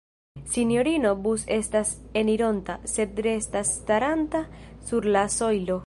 Sinjorino Bus estas enironta, sed restas staranta sur la sojlo.